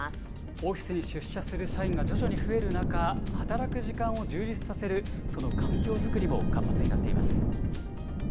オフィスに出社する社員が徐々に増える中、働く時間を充実させる、その環境作りも活発になっています。